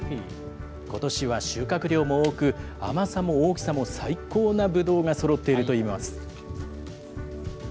ことしは収穫量も多く、甘さも大きさも最高なぶどうがそろっているといいます。